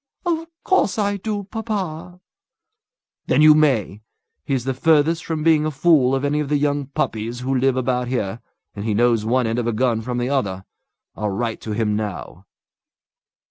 "Of course I do, papa." "Then you may. He's the furthest from being a fool of any of the young puppies who live about here, and he knows one end of a gun from the other. I'll write to him now."